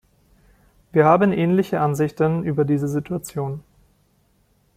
Wir haben ähnliche Ansichten über diese Situation.